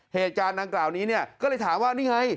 เหตุจารณ์ต่างกล่าวนี้ก็เลยถามว่านี่ไง